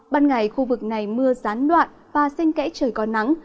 ban ngày khu vực này mưa gián đoạn và xanh kẽ trời còn nắng